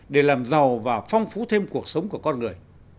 để làm giàu và phong phú thêm cuộc sống của con người